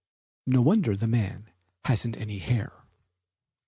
No wonder the man hasn't any hair!